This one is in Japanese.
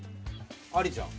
ありじゃん。